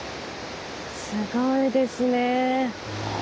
すごいですね。